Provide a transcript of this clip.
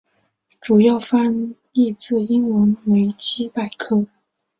主要翻译自英文维基百科。